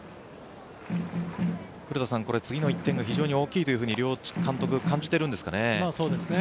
古田さん、次の１点が非常に大きいというように両監督、感じているんですかね。